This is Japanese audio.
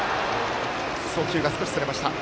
送球が少し、それました。